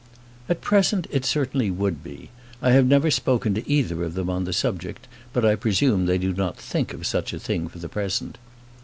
"At present, it certainly would be. I have never spoken to either of them on the subject; but I presume they do not think of such a thing for the present."